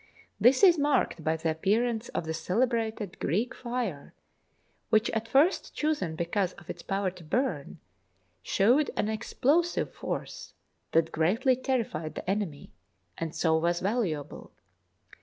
This is marked by the appearance of the celebrated Greek fire, which at first chosen because of its power to burn, showed an explosive force that greatly terrified the enemy, and so was valuable.